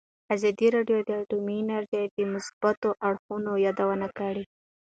ازادي راډیو د اټومي انرژي د مثبتو اړخونو یادونه کړې.